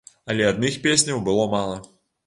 Але адных песняў было мала.